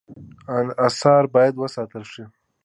آثار باید وساتل شي